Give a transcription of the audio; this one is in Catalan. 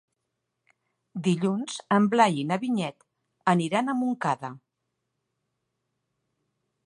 Dilluns en Blai i na Vinyet aniran a Montcada.